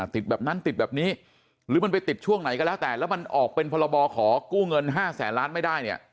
แบบนั้นติดแบบนี้หรือมันไปติดช่วงไหนก็แล้วแต่แล้วมันออกเป็นพรบขอกู้เงิน๕แสนล้านไม่ได้เนี่ย